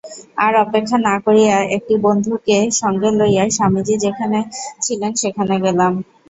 আর অপেক্ষা না করিয়া একটি বন্ধুকে সঙ্গে লইয়া স্বামীজী যেখানে ছিলেন সেখানে গেলাম।